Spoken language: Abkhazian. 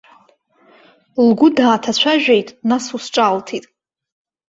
Лгәы дааҭацәажәеит, нас ус ҿаалҭит.